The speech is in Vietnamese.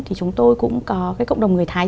thì chúng tôi cũng có cái cộng đồng người thái